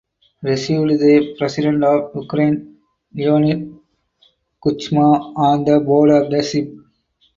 Received the President of Ukraine Leonid Kuchma on the board of the ship.